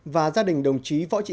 đã tham dự buổi lễ